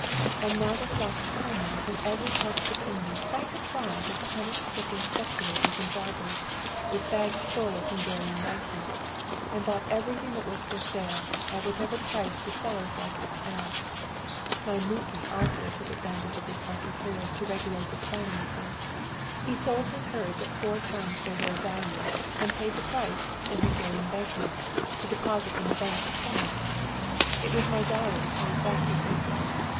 And now there flocked to Comorn from every part of the kingdom quite a tribe of panic stricken speculators and jobbers, with bags full of Hungarian bank notes, and bought everything that was for sale, at whatever price the sellers liked to ask. My Muki also took advantage of this lucky period to regulate his finances. He sold his herds at four times their real value, and paid the price, in Hungarian bank notes, into the deposit bank at Comorn. It was my dowry paid back, he said.